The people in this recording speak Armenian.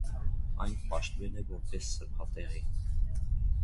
Այն պաշտվել է որպես սրբատեղի։